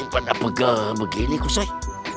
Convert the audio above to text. ini pada pegal begini kusai